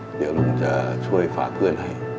เดี๋ยวลุงจะช่วยฝากเพื่อนให้